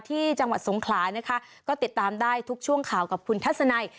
ที่จังหวัดสงขลานะคะก็ติดตามได้ทุกช่วงข่าวกับคุณทัศนัย